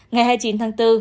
ngày hai mươi chín tháng bốn